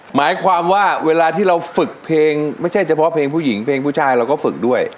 หมายความว่าเวลาที่เราฝึกเพลงไม่ใช่เฉพาะเพลงผู้หญิงเพลงผู้ชายเราก็ฝึกด้วย